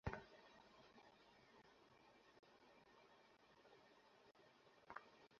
আমি অনেক ভালো কফি বানাই, খেয়ে যান?